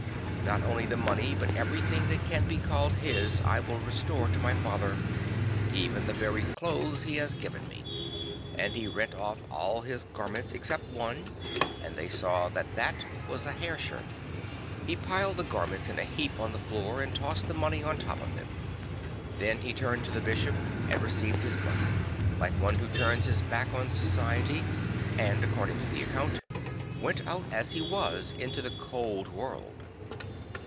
Not only the money but everything that can be called his I will restore to my father, even the very clothes he has given me." And he rent off all his ga.rments except one; and they saw that that was a hair shirt. He piled the garments in a heap on the floor and tossed the money on top of Ulem. Then he turned to the bishop, and received his blessing, like one who turns his back on society; and, according to the account, went out as he was into the cold world.